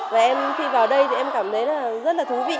và em khi vào đây thì em cảm thấy rất là thú vị